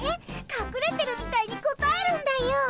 かくれてるみたいに答えるんだよ。